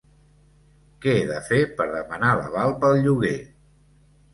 Que he de fer per demanar l'aval pel lloguer?